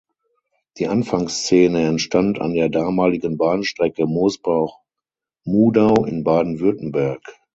Die Anfangsszene entstand an der damaligen Bahnstrecke Mosbach–Mudau in Baden-Württemberg.